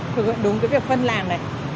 thực hiện đúng cái việc phân làn này